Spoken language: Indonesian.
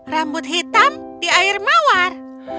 rambut hitam di air mawar